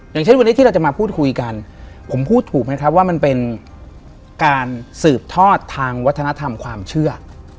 อย่างเช่นวันนี้ที่เราจะมาพูดคุยกันผมพูดถูกไหมครับว่ามันเป็นการสืบทอดทางวัฒนธรรมความเชื่อ